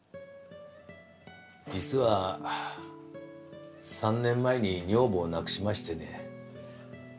実は３年前に女房を亡くしましてね。